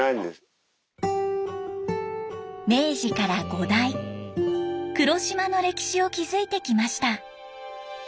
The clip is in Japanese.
明治から五代黒島の歴史を築いてきました。